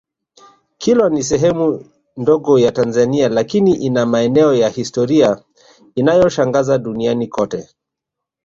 Kilwa ni sehemu ndogo ya Tanzania lakini ina maeneo na historia inayoshangaza duniani kote